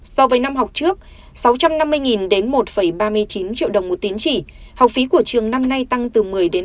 so với năm học trước sáu trăm năm mươi đến một ba mươi chín triệu đồng một tín chỉ học phí của trường năm nay tăng từ một mươi hai mươi